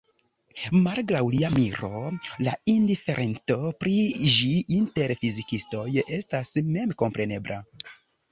Malgraŭ lia miro, la indiferento pri ĝi inter fizikistoj estas memkomprenebla.